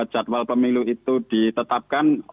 jadwal pemilu itu ditetapkan